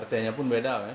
rt nya pun beda